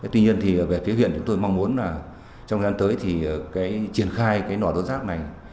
tuy nhiên thì về phía huyện thì chúng tôi mong muốn là trong thời gian tới thì cái triển khai cái nò rốt rác này